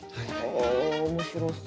あ面白そう。